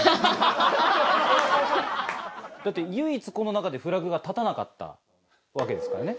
だって唯一この中でフラグが立たなかったわけですからね。